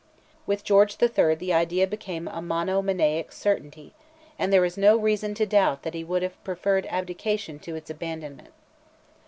With George III. the idea became a monomaniac certainty, and there is no reason to doubt that he would have preferred abdication to its abandonment.